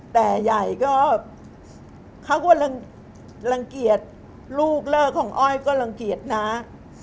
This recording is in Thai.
แต่ใหญ่ก็เขาก็รังเกียจลูกเลิกของอ้อยก็รังเกียจนะ